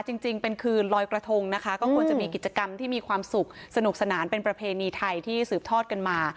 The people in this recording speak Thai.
จริงเป็นคืนลอยกระทงนะคะก็ควรจะมีกิจกรรมที่มีความสุขสนุกสนานเป็นประเพณีไทยที่สืบทอดกันมา